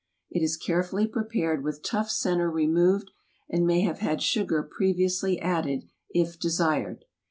It is carefully prepared with tough center removed, and may have had sugar previously added, if desired.